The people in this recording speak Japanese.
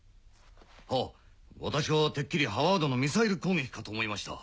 はっ私はてっきりハワードのミサイル攻撃かと思いました。